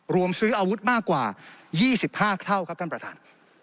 รวมซื้ออาวุธมากกว่า๒๕เท่าครับท่านประธาน